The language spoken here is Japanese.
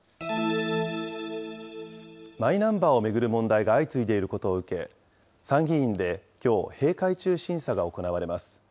マイナンバーを巡る問題が相次いでいることを受けて、参議院できょう、閉会中審査が行われます。